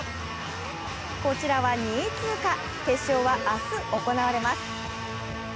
こちらは２位通過、決勝は明日行われます。